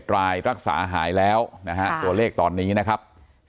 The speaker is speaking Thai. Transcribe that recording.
รายรักษาหายแล้วนะฮะตัวเลขตอนนี้นะครับ